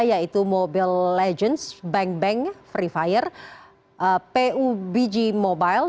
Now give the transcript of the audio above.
yaitu mobile legends bang bang free fire pubg mobile